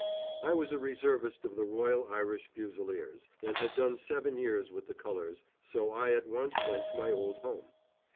] I was a Reservist of the Royal Irish Fusiliers, and had done seven years with the colours, so I at once went to my old home.